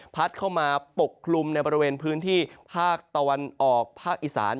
เข้ามาปกคลุมในบริเวณพื้นที่ภาคตะวันออกภาคอีสาน